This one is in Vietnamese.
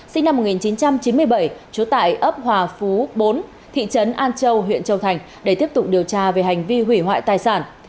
sinh năm một nghìn chín trăm chín mươi bảy trú tại ấp hòa phú bốn thị trấn an châu huyện châu thành để tiếp tục điều tra về hành vi hủy hoại tài sản